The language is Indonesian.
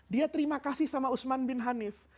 dia terima kasih sama usman bin hanif